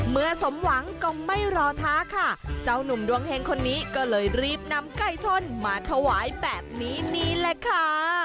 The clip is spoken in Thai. สมหวังก็ไม่รอช้าค่ะเจ้านุ่มดวงเฮงคนนี้ก็เลยรีบนำไก่ชนมาถวายแบบนี้นี่แหละค่ะ